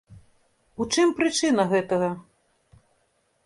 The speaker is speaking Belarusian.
У чым прычына гэтага?